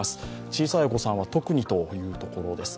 小さいお子さんは特にというところです。